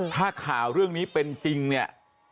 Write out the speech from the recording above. ถ้าข่าวเรื่องนี้เป็นจริงเนี่ย